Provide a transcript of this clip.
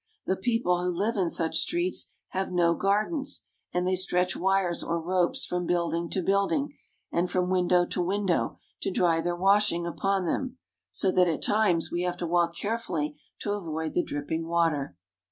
The people who live in such streets have no gardens, and they stretch wires or ropes from building to building, and from window to window, to dry their wash ing upon them, so that at times we have to walk carefully to avoid the dripping water.